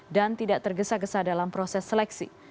dan tidak tergesa gesa dalam proses seleksi